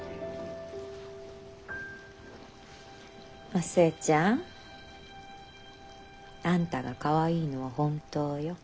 お寿恵ちゃんあんたがかわいいのは本当よ。